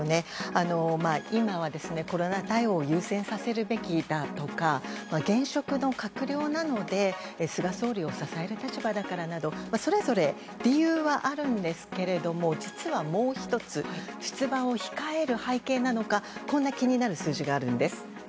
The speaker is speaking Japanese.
今は、コロナ対応を優先させるべきだとか現職の閣僚なので菅総理を支える立場だからなどそれぞれ理由はあるんですが実は、もう１つ出馬を控える背景なのかこんな気になる数字があるんです。